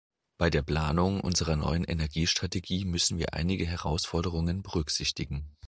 Bei der Planung unserer neuen Energiestrategie müssen wir einige Herausforderungen berücksichtigen.